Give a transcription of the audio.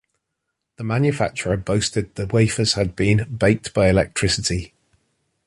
The manufacturer boasted the wafers had been "Baked by Electricity".